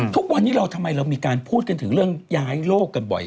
ทุกวันนี้เราทำไมเรามีการพูดกันถึงเรื่องย้ายโลกกันบ่อย